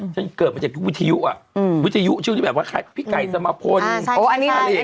เกิดมาจากทุกวิทยุอ่ะวิทยุช่วงที่แบบว่าพี่ไก่สมพลอะไรอย่างนี้